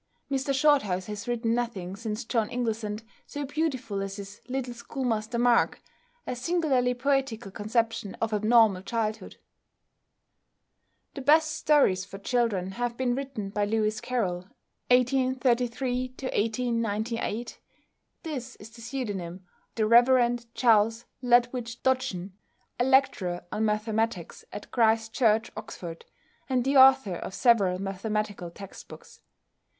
Mr Shorthouse has written nothing since "John Inglesant" so beautiful as his "Little Schoolmaster Mark," a singularly poetical conception of abnormal childhood. The best stories for children have been written by =Lewis Carroll (1833 )=. This is the pseudonym of the Rev. Charles Lutwidge Dodgson, a lecturer on mathematics at Christ Church, Oxford, and the author of several mathematical text books.